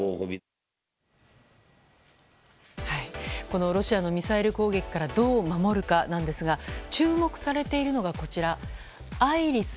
このロシアのミサイル攻撃からどう守るかなんですが注目されているのが「ＩＲＩＳ‐ＴＳＬＭ」。